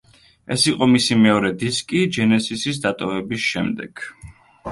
ეს იყო მისი მეორე დისკი ჯენესისის დატოვების შემდეგ.